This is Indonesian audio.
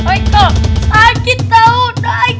ayo kita adu seramai